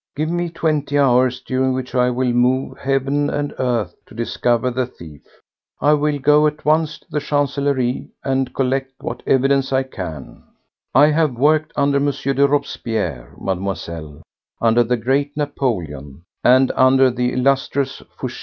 Give me twenty hours, during which I will move heaven and earth to discover the thief. I will go at once to the Chancellerie and collect what evidence I can. I have worked under M. de Robespierre, Mademoiselle, under the great Napoléon, and under the illustrious Fouché!